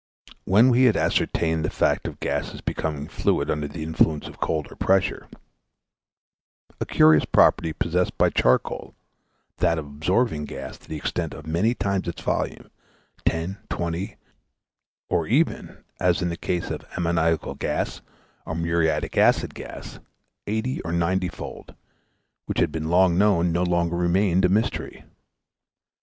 When we had ascertained the fact of gases becoming fluid under the influence of cold or pressure, a curious property possessed by charcoal, that of absorbing gas to the extent of many times its volume, ten, twenty, or even as in the case of ammoniacal gas or muriatic acid gas, eighty or ninety fold, which had been long known, no longer remained a mystery.